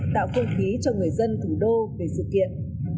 tạo không khí cho người dân thủ đô về sự kiện